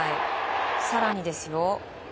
更にですよ